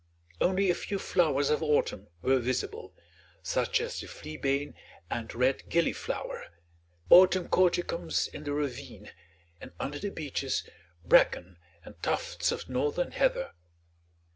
Only a few flowers of autumn were visible, such as the fleabane and red gillyflower, autumn colchicums in the ravine, and under the beeches bracken and tufts of northern heather.